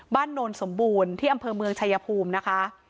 โนนสมบูรณ์ที่อำเภอเมืองชายภูมินะคะ